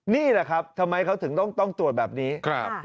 นี่แหละครับทำไมเขาถึงต้องตรวจแบบนี้